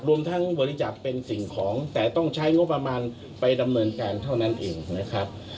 รวมทั้งบริจาคเป็นสิ่งของแต่ต้องใช้งบประมาณไปดำเนินการเท่านั้นเองนะครับ